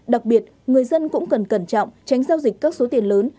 đặc biệt người dân cũng cần cẩn trọng tránh giao dịch các số tiền lớn